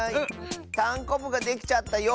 たんこぶができちゃったよ。